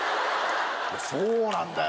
そうなんだよ